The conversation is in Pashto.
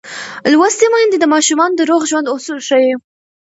لوستې میندې د ماشومانو د روغ ژوند اصول ښيي.